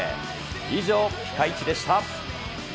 以上、ピカイチでした。